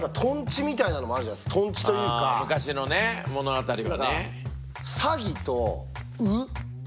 ああ昔のね物語はね。